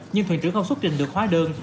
nhưng thuyền trưởng không xuất trình được hóa đơn